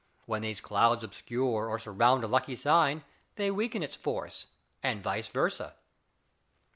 When these clouds obscure or surround a lucky sign they weaken its force, and vice versa.